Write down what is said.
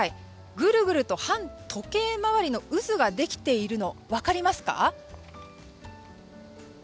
ぐるぐると反時計回りの渦ができているのを分かりますか？